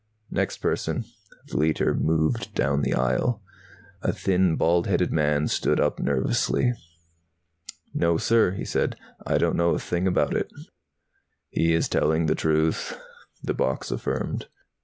"Next person." The Leiter moved down the aisle. A thin, bald headed man stood up nervously. "No, sir," he said. "I don't know a thing about it." "He is telling the truth," the box affirmed.